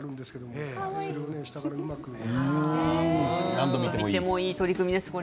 何度見てもいい取組です。